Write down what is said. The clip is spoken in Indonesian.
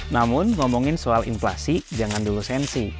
namun ngomongin soal inflasi jangan dulu sensi